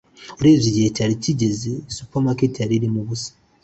urebye igihe cyari kigeze, supermarket yari irimo ubusa